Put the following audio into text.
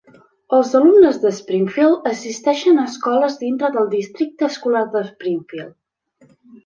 Els alumnes de Springfield assisteixen a escoles dintre del Districte Escolar de Springfield.